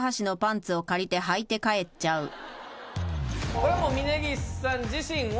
これはもう峯岸さん自身は。